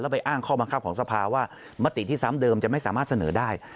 ไปอ้างข้อบังคับของสภาว่ามติที่ซ้ำเดิมจะไม่สามารถเสนอได้